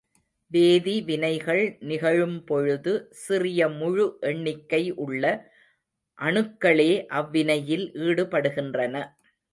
வேதி வினைகள் நிகழும்பொழுது சிறிய முழு எண்ணிக்கை உள்ள அணுக்களே அவ்வினையில் ஈடுபடுகின்றன.